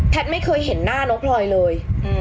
ไม่เคยเห็นหน้าน้องพลอยเลย